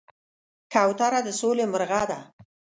کوتره د سولې مرغه ده.